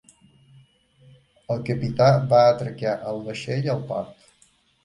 El capità va atracar el vaixell al port.